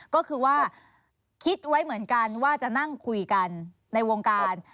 ก็คือว่าคิดไว้เหมือนกันว่าจะนั่งคุยกันในวงการ